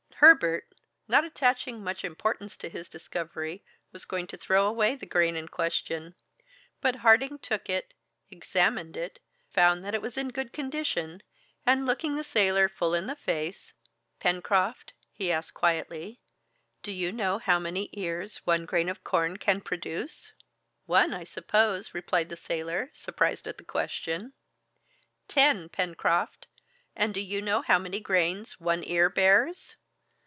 Herbert, not attaching much importance to his discovery, was going to throw away the grain in question; but Harding took it, examined it, found that it was in good condition, and looking the sailor full in the face "Pencroft," he asked quietly, "do you know how many ears one grain of corn can produce?" "One, I suppose!" replied the sailor, surprised at the question. "Ten, Pencroft! And do you know how many grains one ear bears?"